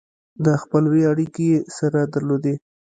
د خپلوۍ اړیکې یې سره درلودې.